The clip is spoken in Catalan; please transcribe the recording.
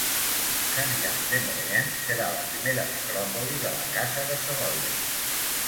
Saint-Jean-de-Maurienne serà la primera necròpoli de la casa de Savoia.